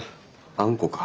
あんこか。